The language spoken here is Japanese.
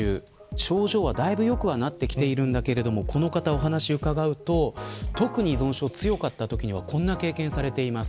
症状はだいぶ良くはなってきているんだけれどもこの方にお話を伺うと特に依存症が強かったときにはこんな経験をされています。